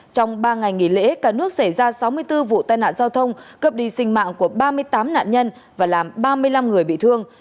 trong ba ngày nghỉ lễ cả nước xảy ra sáu mươi bốn vụ tai nạn giao thông cướp đi sinh mạng của ba mươi tám nạn nhân và làm ba mươi năm người bị thương